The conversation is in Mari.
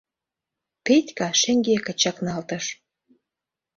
— Петька шеҥгеке чакналтыш.